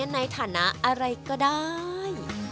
ในฐานะอะไรก็ได้